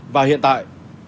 và hiện tại